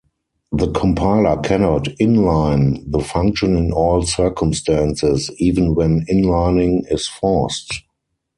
The compiler cannot inline the function in all circumstances, even when inlining is forced.